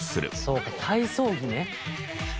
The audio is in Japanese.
そうか体操着ね。